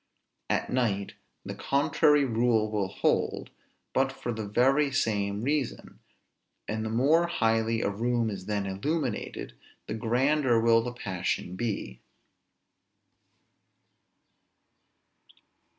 At night the contrary rule will hold, but for the very same reason; and the more highly a room is then illuminated, the grander will the passion be.